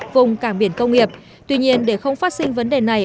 vùng càng biển công nghiệp tuy nhiên để không phát sinh vấn đề này